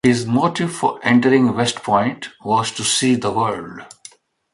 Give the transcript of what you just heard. His motive for entering West Point was "to see the world".